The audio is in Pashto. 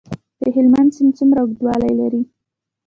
د هلمند سیند څومره اوږدوالی لري؟